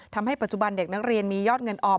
ทำให้ปัจจุบันเด็กนักเรียนมียอดเงินออม